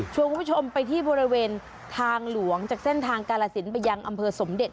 คุณผู้ชมไปที่บริเวณทางหลวงจากเส้นทางกาลสินไปยังอำเภอสมเด็จ